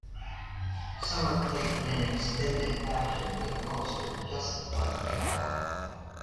Some are played in an extended fashion, but most are just like the album.